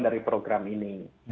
dari program ini